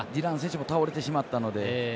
倒れてしまったので。